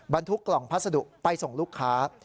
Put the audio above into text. บรรทุกกล่องพัสดุไปส่งลูกค้า